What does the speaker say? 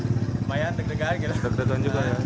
lumayan deg degan gitu